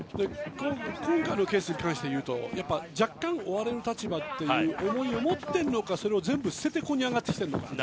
今回のケースに関して言うとやっぱり若干追われる立場という思いを持っているのかそれを全部捨ててここに上がってきているのか。